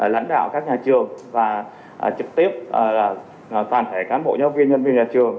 lãnh đạo các nhà trường và trực tiếp toàn thể cán bộ giáo viên nhân viên nhà trường